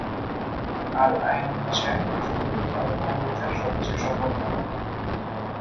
আল Ain হচ্ছে সংযুক্ত আরব আমিরাতের সবচেয়ে সফল ক্লাব।